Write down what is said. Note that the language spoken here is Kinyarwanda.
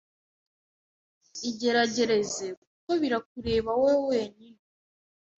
Igeragereze kuko birakureba wowe wenyine